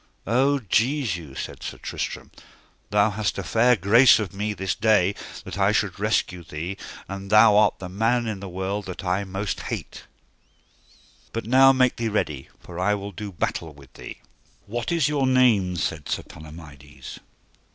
O Jesu, said Sir Tristram, thou hast a fair grace of me this day that I should rescue thee, and thou art the man in the world that I most hate; but now make thee ready, for I will do battle with thee. What is your name? said Sir Palomides.